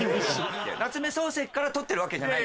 夏目漱石から取ってるわけじゃない。